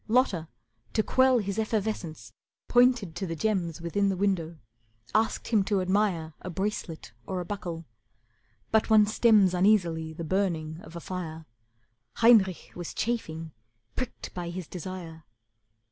Lotta, to quell His effervescence, pointed to the gems Within the window, asked him to admire A bracelet or a buckle. But one stems Uneasily the burning of a fire. Heinrich was chafing, pricked by his desire.